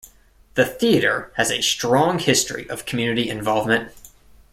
The theatre has a strong history of community involvement.